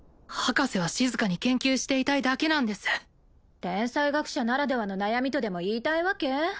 博士は静かに研究していたいだけなんです天才学者ならではの悩みとでも言いたいわけ？